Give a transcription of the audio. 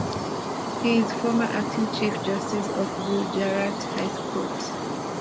He is former Acting Chief Justice of Gujarat High Court.